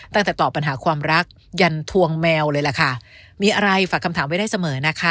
ตั้งแต่ตอบปัญหาความรักยันทวงแมวเลยล่ะค่ะมีอะไรฝากคำถามไว้ได้เสมอนะคะ